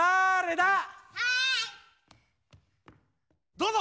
どうぞ！